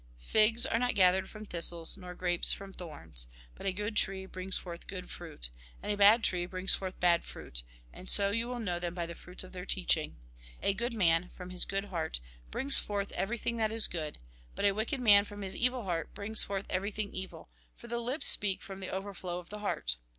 Figs are not gathered from thistles, nor grapes from thorns. But a good tree brings forth good fruit. And a bad tree brings forth bad fruit. And so you will know them by the fruits of their teaching. A good man, from his good heart, brings forth everything that is good ; but a wicked man, from his evil heart, brings forth everything evil ; for the lips speak from the overflow of the heart.